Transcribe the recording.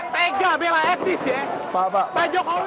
pak jokowi tega pak etis